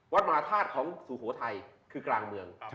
มหาธาตุของสุโขทัยคือกลางเมือง